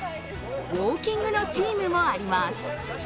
ウオーキングのチームもあります。